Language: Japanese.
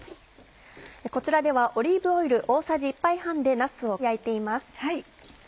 こちらではオリーブオイル大さじ１杯半でなすを焼いています。